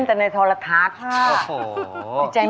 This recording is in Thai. กลับสู่รายการร้องข้ามรุ่นรอบออดิชัน